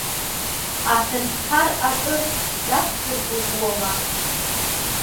Аҳәынҭқар акыр дақәсыргәыӷуама?